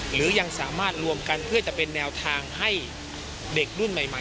หรือยังสามารถรวมกันเพื่อจะเป็นแนวทางให้เด็กรุ่นใหม่